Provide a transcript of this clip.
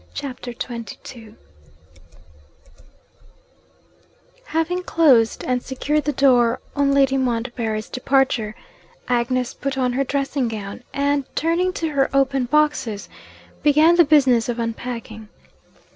CHAPTER XXII Having closed and secured the door on Lady Montbarry's departure, Agnes put on her dressing gown, and, turning to her open boxes, began the business of unpacking.